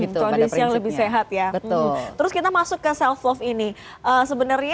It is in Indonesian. project agar lebih sehat ya costum terus kita masuk ke selasa itu sebenarnya